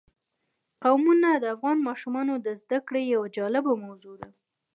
قومونه د افغان ماشومانو د زده کړې یوه جالبه موضوع ده.